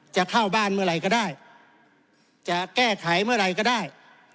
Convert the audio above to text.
จะเข้าบ้านเมื่อไหร่ก็ได้จะแก้ไขเมื่อไหร่ก็ได้